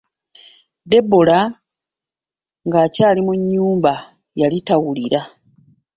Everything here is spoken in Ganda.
Debula ng'akyali mu nnyumba yali tawulira.